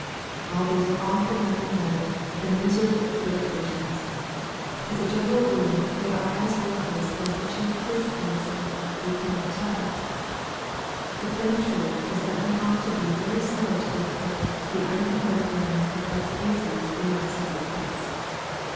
All these are often no thing better than miserable equ : vocations. As a general 246 EXPOSITORY THOUGHTS. rule, they are as worthless as the chief priest's answer, " We cannot tell." The plain truth is that we ought to be very slow to give credit to the unconverted man's professed reasons for not serving Christ.